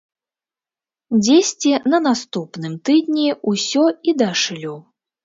Дзесьці на наступным тыдні ўсё і дашлю.